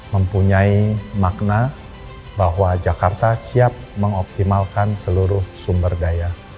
mempunyai makna bahwa jakarta siap mengoptimalkan seluruh sumber daya